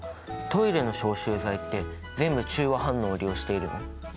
トイレの消臭剤って全部中和反応を利用しているの？